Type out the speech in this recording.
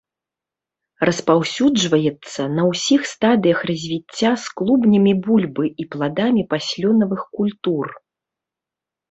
Распаўсюджваецца на ўсіх стадыях развіцця з клубнямі бульбы і пладамі паслёнавых культур.